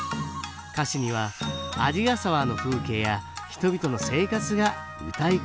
歌詞には鰺ヶ沢の風景や人々の生活がうたい込まれています